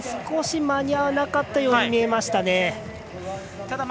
少し間に合わなかったように見えました。